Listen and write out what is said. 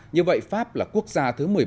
như vậy pháp là quốc gia thứ một mươi bảy